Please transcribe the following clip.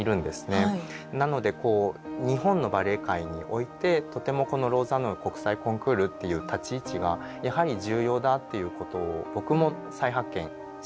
なのでこう日本のバレエ界においてとてもこのローザンヌ国際コンクールっていう立ち位置がやはり重要だっていうことを僕も再発見しました。